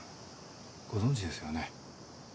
ご存じですよね？